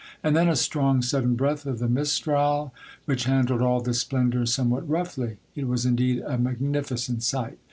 And then a strong, sudden breath of the Mistral, which handled all this splendor some what roughly. It was indeed a magnificent sight.